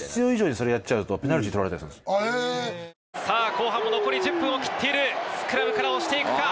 後半残り１０分を切っているスクラムから押していくか？